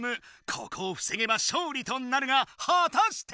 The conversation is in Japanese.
ここをふせげば勝利となるがはたして。